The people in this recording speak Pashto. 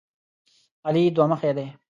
علي دوه مخی دی.